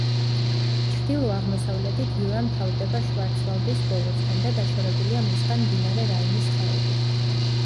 ჩრდილო-აღმოსავლეთით იურა მთავრდება შვარცვალდის ბოლოსთან და დაშორებულია მისგან მდინარე რაინის ხეობით.